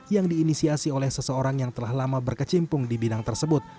yang diinisiasi oleh seseorang yang telah lama berkecimpung di bidang tersebut